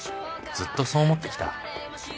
ずっとそう思ってきた。